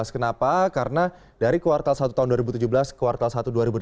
kenapa karena dari kuartal satu tahun dua ribu tujuh belas ke kuartal satu dua ribu delapan belas